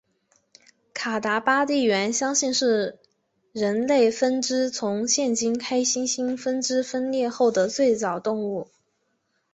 卡达巴地猿相信是人类分支从现今黑猩猩分支分裂后的最早动物。